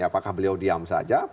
apakah beliau diam saja